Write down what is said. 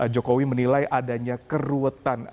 jokowi menilai adanya keruetan